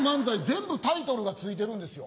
全部タイトルがついてるんですよ。